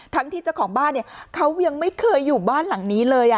ที่เจ้าของบ้านเขายังไม่เคยอยู่บ้านหลังนี้เลย